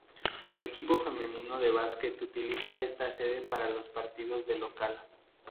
El equipo Femenino de Basquet utiliza esta sede para sus partidos de Local.